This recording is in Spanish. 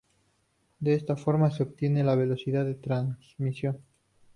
De esta forma se obtiene la velocidad de transmisión.